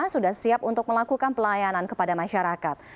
sudah siap untuk melakukan pelayanan kepada masyarakat